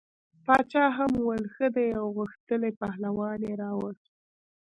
باچا هم وویل ښه دی او غښتلی پهلوان یې راووست.